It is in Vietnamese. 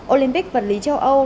olympic vật lý châu âu